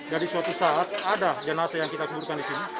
jadi suatu saat ada jenazah yang kita kuburkan di sini